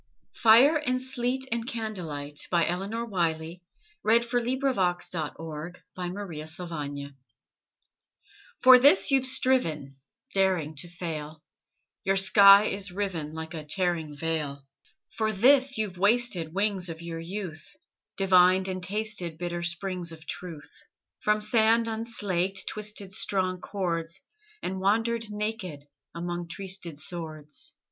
"FIRE AND SLEET AND CANDLELIGHT" For this you've striven Daring, to fail: Your sky is riven Like a tearing veil. For this, you've wasted Wings of your youth; Divined, and tasted Bitter springs of truth. From sand unslaked Twisted strong cords, And wandered naked Among trysted swords.